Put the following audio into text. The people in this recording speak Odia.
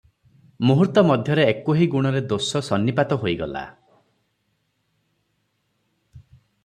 ମୁହୂର୍ତ୍ତ ମଧ୍ୟରେ 'ଏକୋହି ଗୁଣରେ ଦୋଷ ସନ୍ନିପାତ' ହୋଇଗଲା ।